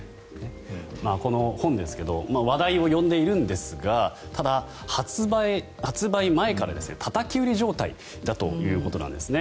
この本ですが話題を呼んでいるんですがただ、発売前からたたき売り状態だということなんですね。